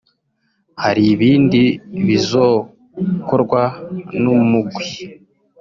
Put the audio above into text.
hari ibindi bizokorwa n'umugwi